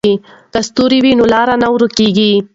که ستوري وي نو لار نه ورکېږي.